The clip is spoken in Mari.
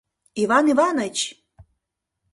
Иван Иваныч!